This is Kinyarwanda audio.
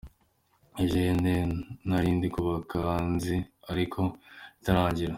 Eugene: “Narindi kubaka inzi, ariko itarangira.